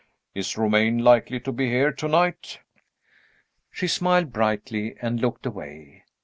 Is Romayne likely to be here to night?" She smiled brightly, and looked away.